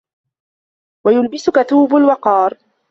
وَيُلْبِسُك ثَوْبَ الْوَقَارِ